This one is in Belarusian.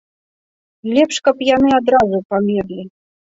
Лепш, каб яны адразу памерлі.